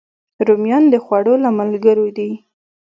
رومیان د خوړو له ملګرو دي